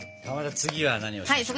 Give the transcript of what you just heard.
次は何をしますか？